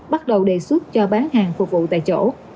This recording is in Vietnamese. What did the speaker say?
bắt đầu đề xuất cho các quán ăn